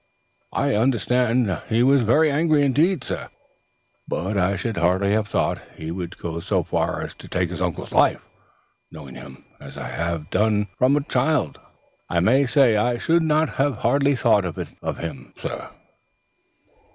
Oh, I understand he was very angry indeed, sir, but I should hardly have thought he would go so far as to take his uncle's life. Knowing him, as I have done, from a child, I may say I shouldn't hardly have thought it of him, sir."